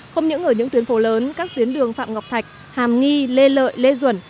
không những ở những tuyến phố lớn các tuyến đường phạm ngọc thạch hàm nghi lê lợi lê duẩn